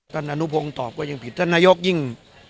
อนุพงศ์ตอบก็ยังผิดท่านนายกยิ่ง